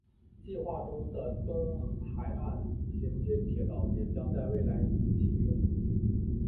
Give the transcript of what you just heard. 计划中的东海岸衔接铁道也将在未来于启用。